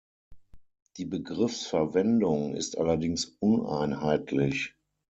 Die Begriffsverwendung ist allerdings uneinheitlich.